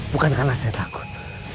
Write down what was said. bukan karena saya takut